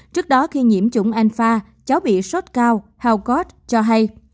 trước đó khi nhiễm chủng alpha cháu bị sốt cao helgort cho hay